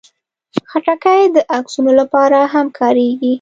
خټکی د عکسونو لپاره هم کارېږي.